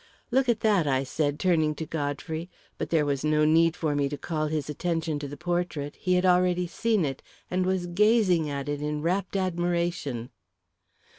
"Look at that," I said, turning to Godfrey, but there was no need for me to call his attention to the portrait. He had already seen it, and was gazing at it in rapt admiration.